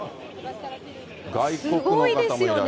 すごいですよね。